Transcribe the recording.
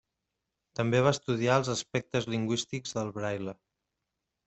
També va estudiar els aspectes lingüístics del braille.